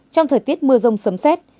trong thời tiết mưa rông sấm xét